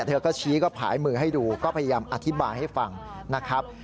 เธอก็ชี้ก็ผายมือให้ดูก็พยายามอธิบายให้ฟังนะครับ